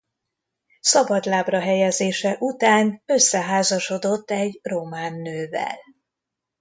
Szabadlábra helyezése után összeházasodott egy román nővel.